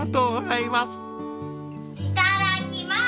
いただきます！